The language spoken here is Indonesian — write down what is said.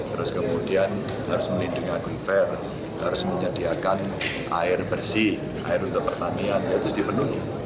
terus kemudian harus melindungi agung fair harus menyediakan air bersih air untuk pertanian yaitu dipenuhi